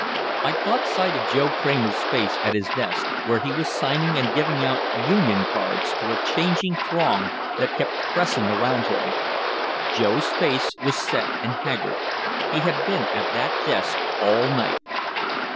I caught sight of Joe Kramer's face at his desk, where he was signing and giving out union cards to a changing throng that kept pressing around him. Joe's face was set and haggard. He had been at that desk all night.